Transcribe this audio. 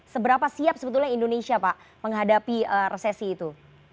seberapa siap sebetulnya indonesia pak menghadapi resesi itu